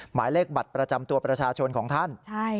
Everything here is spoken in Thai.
หมายเลขบัตรประจำตัวประชาชนของท่าน